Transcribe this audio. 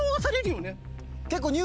結構。